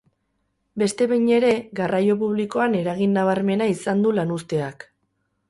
Beste behin ere, garraio publikoan eragin nabarmena izan du lanuzteak.